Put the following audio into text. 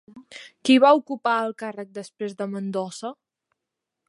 Qui va ocupar el càrrec després de Mendoza?